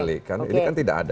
ini kan tidak ada